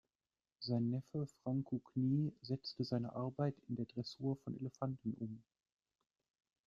Sein Neffe Franco Knie setzte seine Arbeit in der Dressur von Elefanten um.